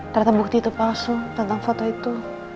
ternyata bukti itu palsu tentang foto itu